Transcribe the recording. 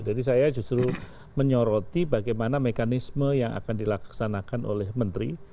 jadi saya justru menyoroti bagaimana mekanisme yang akan dilaksanakan oleh menteri